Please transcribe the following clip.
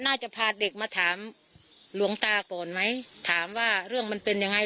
น่าจะพาเด็กมาถามหลวงตาก่อนไหมถามว่าเรื่องมันเป็นยังไง